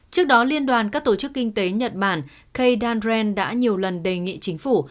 trước đó liên đoàn các tổ chức kinh tế nhật bản k dandren đã nhiều lần đề nghị chính phủ